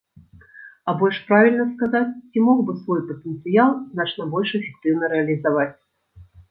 А больш правільна сказаць, ці мог бы свой патэнцыял значна больш эфектыўна рэалізаваць.